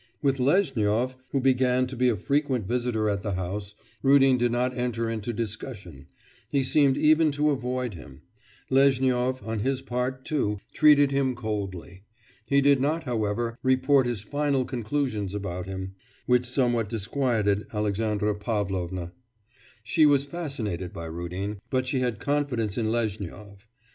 With Lezhnyov, who began to be a frequent visitor at the house, Rudin did not enter into discussion; he seemed even to avoid him. Lezhnyov, on his part, too, treated him coldly. He did not, however, report his final conclusions about him, which somewhat disquieted Alexandra Pavlovna. She was fascinated by Rudin, but she had confidence in Lezhnyov.